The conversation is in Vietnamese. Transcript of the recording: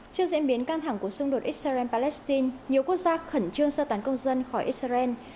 trước diễn biến căng thẳng của xung đột israel palestine nhiều quốc gia khẩn trương sơ tán công dân khỏi israel